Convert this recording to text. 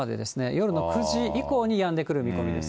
夜の９時以降にやんでくる見込みです。